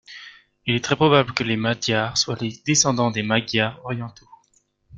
Il est très probable que les Madiars soient les descendants des Magyars orientaux.